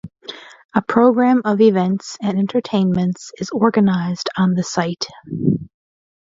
A programme of events and entertainments is organised on the site.